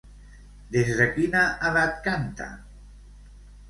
Des de quina edat canta?